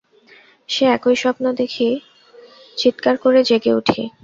সে একই স্বপ্ন দেখি, চিৎকার করে জেগে উঠি।